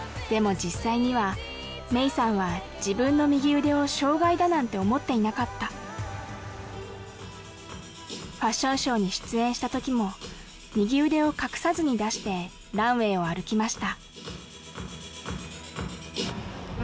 実際にはメイさんは自分の右腕を障害だなんて思っていなかったファッションショーに出演した時も右腕を隠さずに出してランウェイを歩きました